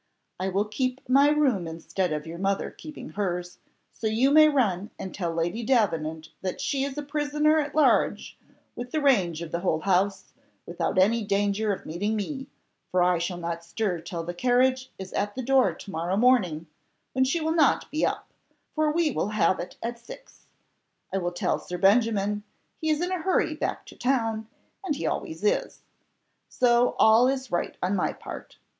I will keep my room instead of your mother keeping hers; so you may run and tell Lady Davenant that she is a prisoner at large, with the range of the whole house, without any danger of meeting me, for I shall not stir till the carriage is at the door to morrow morning, when she will not be up, for we will have it at six. I will tell Sir Benjamin, he is in a hurry back to town, and he always is. So all is right on my part.